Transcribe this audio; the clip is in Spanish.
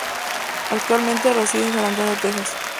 Actualmente reside en San Antonio, Texas.